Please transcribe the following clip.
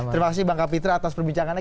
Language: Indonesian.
terima kasih bang kapitra atas perbincangannya